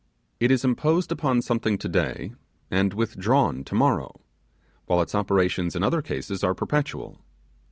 It is imposed upon something today, and withdrawn tomorrow; while its operations in other cases are perpetual.